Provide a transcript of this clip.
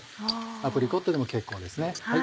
アプリコットでも結構ですね。